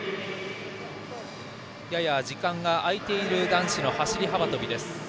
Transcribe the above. やや時間があいている男子の走り幅跳びです。